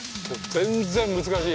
全然難しい。